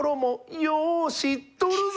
「よう知っとるぞ」。